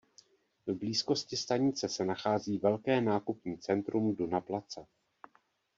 V blízkosti stanice se nachází velké nákupní centrum Duna Plaza.